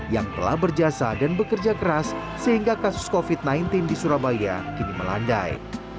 yang telah berjasa dan bekerja keras sehingga kasus covid sembilan belas di surabaya kini melandai